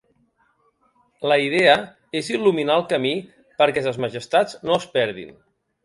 La idea és il·luminar el camí perquè ses majestats no es perdin.